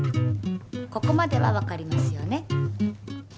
ここまではわかりますよね？